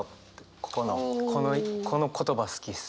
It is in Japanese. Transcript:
ここのこの言葉好きです。